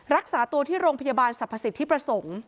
รักษาตัวที่โรงพยาบาลสรรพสิทธิประสงค์